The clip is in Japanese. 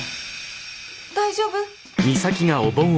大丈夫？